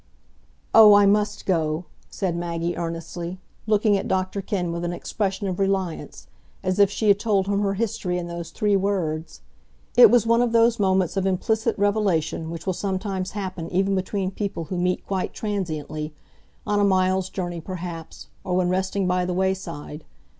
"Oh, I must go," said Maggie, earnestly, looking at Dr Kenn with an expression of reliance, as if she had told him her history in those three words. It was one of those moments of implicit revelation which will sometimes happen even between people who meet quite transiently,—on a mile's journey, perhaps, or when resting by the wayside.